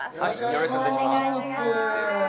よろしくお願いします